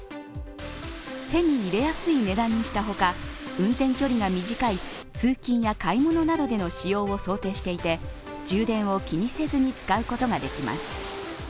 手に入れやすい値段にしたほか、運転距離が短い通勤や買い物などでの使用を想定していて、充電を気にせずに使うことができます。